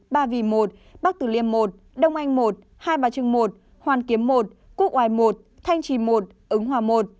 ba vì một bắc tử liêm một đông anh một hai bà trưng một hoàn kiếm một quốc oai một thanh trì một ứng hòa i